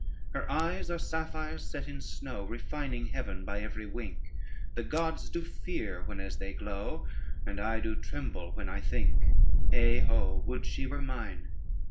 Her eyes are sapphires set in snow, Refining heaven by every wink: The gods do fear whenas they glow, And I do tremble when I think: Heigh ho, would she were mine.